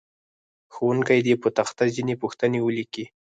ښوونکی دې په تخته ځینې پوښتنې ولیکي.